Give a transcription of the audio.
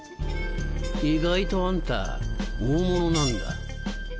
意外とあんた大物なんだ。